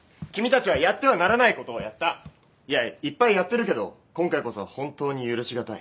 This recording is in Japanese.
いやいっぱいやってるけど今回こそは本当に許しがたい。